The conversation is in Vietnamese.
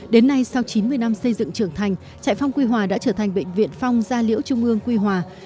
đến nay sau chín mươi năm xây dựng trưởng thành trại phong quy hòa đã trở thành bệnh viện phong gia liễu trung ương quy hòa